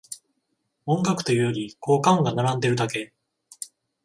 音楽というより効果音が並んでるだけ